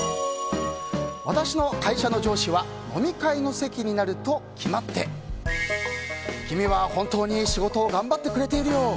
私の会社の上司は飲み会の席になると決まって君は本当に仕事頑張ってくれているよ